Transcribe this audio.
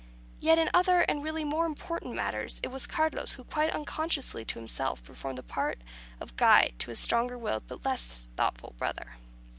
Yet in other, and really more important matters, it was Carlos who, quite unconsciously to himself, performed the part of guide to his stronger willed but less thoughtful brother.